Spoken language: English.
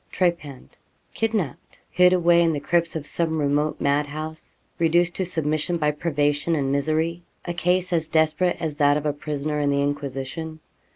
Trepanned, kidnapped, hid away in the crypts of some remote mad house reduced to submission by privation and misery a case as desperate as that of a prisoner in the Inquisition.